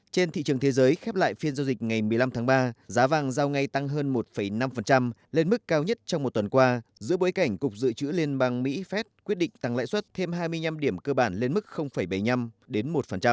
trên thị trường thế giới khép lại phiên giao dịch ngày một mươi năm tháng ba giá vàng giao ngay tăng hơn một năm lên mức cao nhất trong một tuần qua giữa bối cảnh cục dự trữ liên bang mỹ phép quyết định tăng lãi suất thêm hai mươi năm điểm cơ bản lên mức bảy mươi năm đến một